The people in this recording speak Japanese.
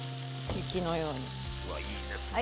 うわいいですね。